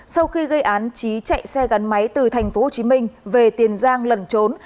sau khi gây án trí chạy xe gắn máy từ tp hcm về tiền giang lẩn trốn